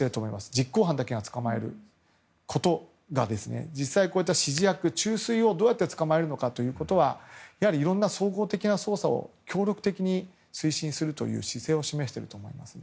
実行犯だけが捕まることが指示役中枢をどうやって捕まえるかということはいろんな総合的な捜査を協力的に推進するという姿勢を示していると思います。